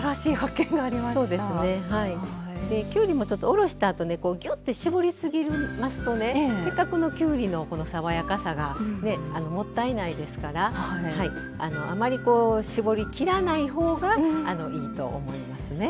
できゅうりもちょっとおろしたあとねぎゅって絞りすぎるますとねせっかくのきゅうりの爽やかさがねえもったいないですからあまりこう絞りきらない方がいいと思いますね。